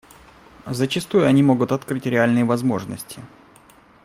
Зачастую они могут открыть реальные возможности.